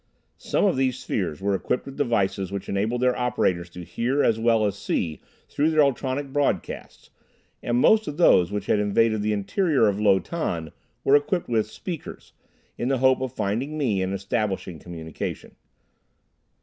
Some of these spheres were equipped with devices which enabled their operators to hear as well as see through their ultronic broadcasts, and most of those which had invaded the interior of Lo Tan were equipped with "speakers," in the hope of finding me and establishing communication.